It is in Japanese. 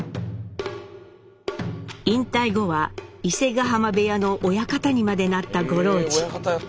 引退後は伊勢ヶ濱部屋の親方にまでなった五郎治。